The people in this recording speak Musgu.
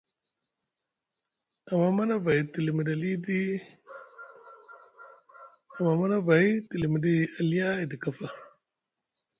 Amma Manavay te limiɗi aliya edi kafa.